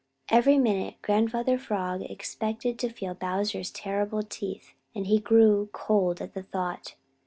Every minute Grandfather Frog expected to feel Bowser's terrible teeth, and he grew cold at the thought.